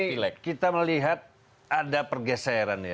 sekarang ini kita melihat ada pergeseran